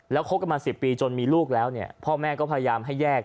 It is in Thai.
แล้วคบกันมา๑๐ปีจนมีลูกแล้วเนี่ยพ่อแม่ก็พยายามให้แยก